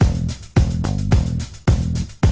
ให้กลุ่มอยู่ด้วย